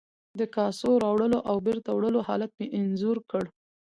د کاسو راوړلو او بیرته وړلو حالت مې انځور کړ.